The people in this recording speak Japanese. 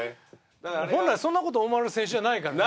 本来そんな事を思われる選手じゃないからね。